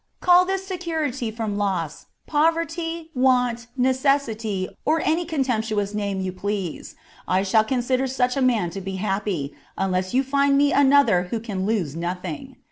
Call this security from loss poverty, want, necessity, or any contemptuous name you please : I shall consider such a man to be happy, unless you find me another who can lose nothing.